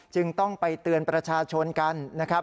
จึงต้องไปเตือนประชาชนกัน